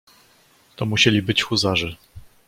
"To musieli być huzarzy!"